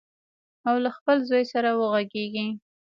او له خپل زوی سره وغږیږي.